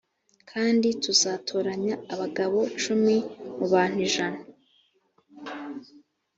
kandi tuzatoranya abagabo cumi mu bantu ijana